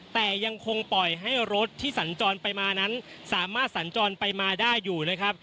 แต่ยังคงปล่อยให้รถที่สัญจรไปมานั้นสามารถสัญจรไปมาได้อยู่นะครับ